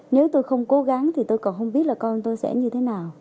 nếu tôi không cố gắng thì tôi còn không biết là con tôi sẽ như thế nào